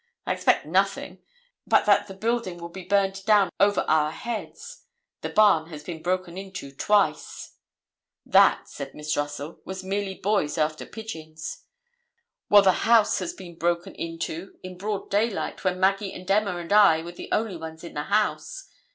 I expect nothing but that the building will be burned down over our heads. The barn has been broken into twice." "That," said Miss Russell "was merely boys after pigeons." "Well, the house has been broken into in broad daylight when Maggie and Emma and I were the only ones in the house.